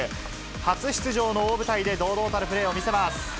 初出場の大舞台で堂々たるプレーを見せます。